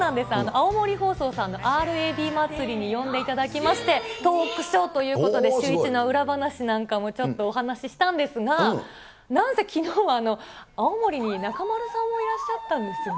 青森放送さんのＲＡＢまつりに呼んでいただきまして、トークショーということで、シューイチの裏話なんかも、ちょっとお話ししたんですが、なんせきのうは青森に中丸さんもいらっしゃったんですよね。